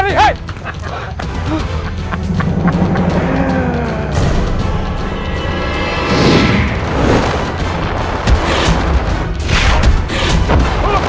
kenapa kau seu flat tiga